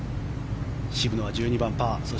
渋野は１２番、パー。